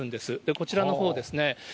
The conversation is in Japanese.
こちらのほうですね。